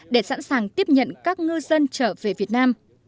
để sẵn sàng tiếp nhận các ngư dân trở về việt nam